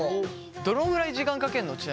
どのくらい時間かけんの？